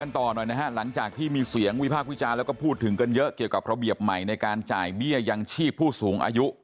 ต่อหน่อยนะฮะหลังจากที่มีเสียงวิพากษ์วิจารณ์แล้วก็พูดถึงกันเยอะเกี่ยวกับระเบียบใหม่ในการจ่ายเบี้ยยังชีพผู้สูงอายุ